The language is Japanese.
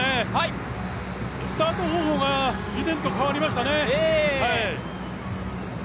スタート方法が以前と変わりましたね。